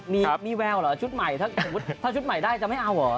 มีแววเหรอแล้วชุดใหม่ถ้าแบบชุดใหม่ได้จะไม่เอาหรอ